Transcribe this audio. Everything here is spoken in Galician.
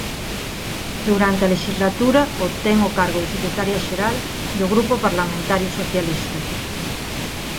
Durante a lexislatura obtén o cargo de Secretaria Xeral do Grupo Parlamentario Socialista.